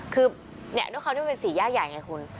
คือด้วยความที่มันเป็นสี่แยกใหญ่ไงคุณ